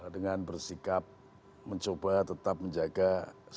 dengan bersikap mencoba tetap menjaga sikap etika